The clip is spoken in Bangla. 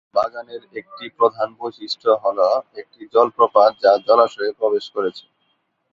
বাগানের একটি প্রধান বৈশিষ্ট্য হ'ল একটি জলপ্রপাত যা জলাশয়ে প্রবেশ করেছে।